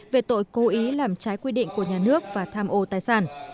về tội cố ý làm trái quy định của nhà nước và tham ô tài sản